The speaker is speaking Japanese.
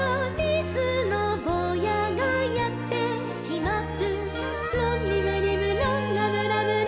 「やぎのぼうやがやってきます」